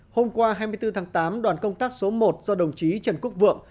hôm qua hai mươi bốn tháng tám đoàn công tác số một do đồng chí trần quốc vượng